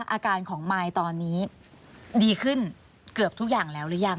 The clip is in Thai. อาการของมายตอนนี้ดีขึ้นเกือบทุกอย่างแล้วหรือยัง